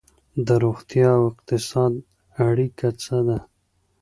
د روغتیا او اقتصاد اړیکه څه ده؟